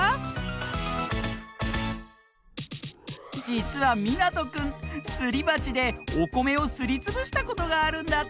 じつはみなとくんすりばちでおこめをすりつぶしたことがあるんだって！